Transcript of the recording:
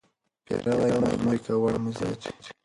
پیروي مه خورئ که غوړ مو زیات وي.